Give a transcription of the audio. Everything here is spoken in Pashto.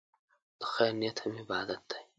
د خیر نیت هم عبادت دی.